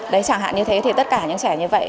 đấy chẳng hạn như thế thì tất cả những trẻ như vậy